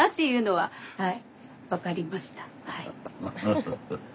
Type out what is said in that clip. はい。